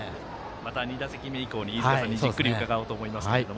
また２打席目以降に飯塚さんにじっくり伺おうと思います。